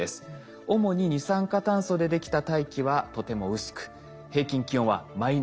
主に二酸化炭素でできた大気はとても薄く平均気温はマイナス５０℃を下回ります。